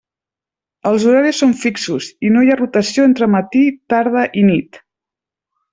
Els horaris són fixos i no hi ha rotació entre matí, tarda i nit.